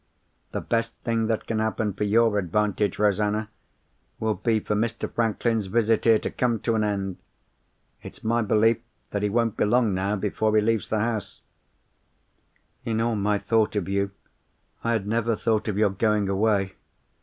The best thing that can happen for your advantage, Rosanna, will be for Mr. Franklin's visit here to come to an end. It's my belief that he won't be long now before he leaves the house." "In all my thoughts of you I had never thought of your going away.